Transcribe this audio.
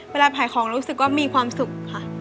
เวลาขายของรู้สึกว่ามีความสุขค่ะ